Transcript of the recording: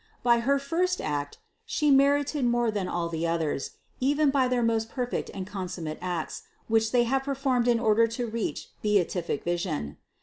By her first act She merited more than all the others, even by their most perfect and consummate acts, which they have performed in order to reach beatific vision.